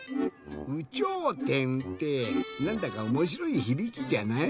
「有頂天」ってなんだかおもしろいひびきじゃない？